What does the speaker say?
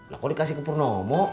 lah kalau dikasih ke purnomo